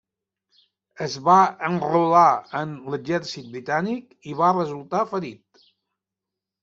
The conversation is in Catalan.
Es va enrolar en l'exèrcit britànic i va resultar ferit.